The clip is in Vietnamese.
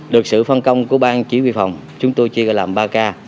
được sự phân công của bang chỉ huy phòng chúng tôi chia ra làm ba ca